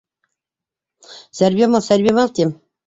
— Сәрбиямал, Сәрбиямал, тим